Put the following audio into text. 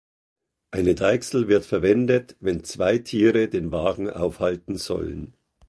Eine Deichsel wird verwendet, wenn zwei Tiere den Wagen aufhalten sollen.